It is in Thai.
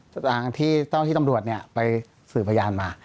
ทางที่เจ้าที่ตำรวจไปสืบพยานมา